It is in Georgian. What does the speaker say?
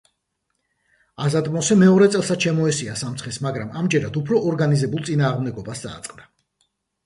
აზატ მოსე მეორე წელსაც შემოესია სამცხეს, მაგრამ ამჯერად უფრო ორგანიზებულ წინააღმდეგობას წააწყდა.